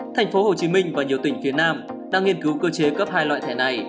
thành phố hồ chí minh và nhiều tỉnh phía nam đang nghiên cứu cơ chế cấp hai loại thẻ này